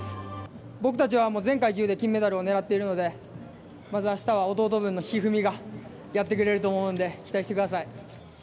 僕たちは全階級で金メダルを狙っているのでまず明日は弟分の一二三がやってくれると思うので期待してください。